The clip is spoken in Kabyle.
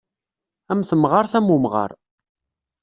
Am temɣart am umɣar.